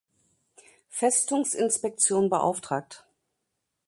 Festungsinspektion beauftragt.